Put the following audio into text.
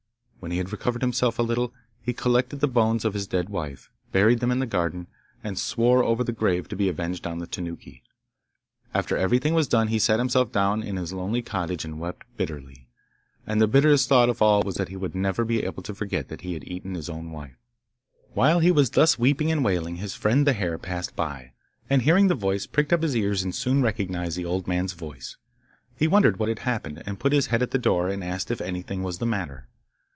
When he had recovered himself a little, he collected the bones of his dead wife, buried them in the garden, and swore over the grave to be avenged on the Tanuki. After everything was done he sat himself down in his lonely cottage and wept bitterly, and the bitterest thought of all was that he would never be able to forget that he had eaten his own wife. While he was thus weeping and wailing his friend the hare passed by, and, hearing the noise, pricked up his ears and soon recognised the old man's voice. He wondered what had happened, and put his head in at the door and asked if anything was the matter.